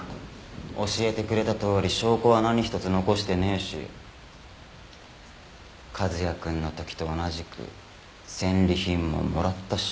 教えてくれたとおり証拠は何一つ残してねえし和哉くんの時と同じく戦利品ももらったし。